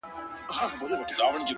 • غلامان دي د بل غولي ته روزلي ,